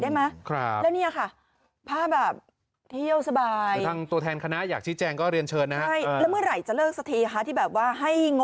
ได้ไหมไปจัดสรรงบใหม่ได้ไหม